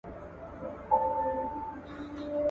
ښځې باید خپل استعداد وځلوي.